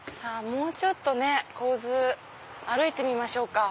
もうちょっとね国府津歩いてみましょうか。